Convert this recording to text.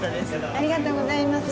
ありがとうございます。